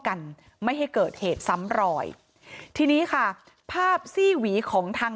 กันไม่ให้เกิดเหตุซ้ำรอยทีนี้ค่ะภาพซี่หวีของทาง